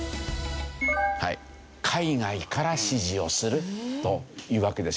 海外から指示をするというわけですよね。